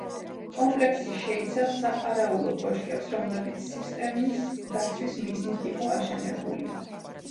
კომპლექსი შეიცავს საყარაულო კოშკებს, რომლებიც სისტემის დაცვის მიზნით იყო აშენებული.